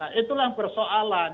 nah itulah persoalan